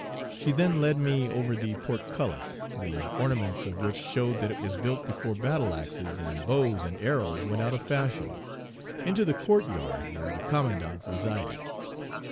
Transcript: She then led me over the portcullis, the ornaments of which showed that it was built before battle axes and bows and arrows went out of fashion, into the court yard where the commandant resided.